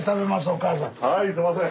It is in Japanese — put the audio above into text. はいすいません。